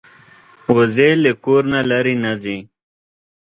وزې له کور نه لرې نه ځي